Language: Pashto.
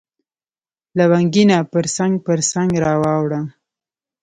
لونګینه پرڅنګ، پرڅنګ را واوړه